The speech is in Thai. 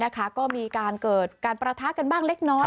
ก็มีการเกิดการประทะกันบ้างเล็กน้อย